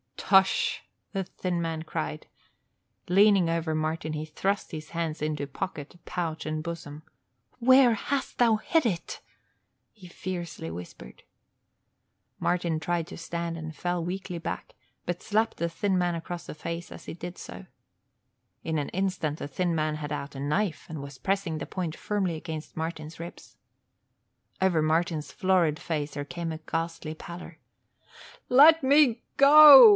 "Tush!" the thin man cried. Leaning over Martin he thrust his hands into pocket, pouch and bosom. "Where hast thou hid it?" he fiercely whispered. Martin tried to stand and fell weakly back, but slapped the thin man across the face as he did so. In an instant the thin man had out a knife and was pressing the point firmly against Martin's ribs. Over Martin's florid face there came a ghastly pallor. "Let me go!"